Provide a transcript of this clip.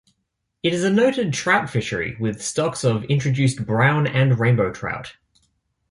It is a noted trout fishery with stocks of introduced brown and rainbow trout.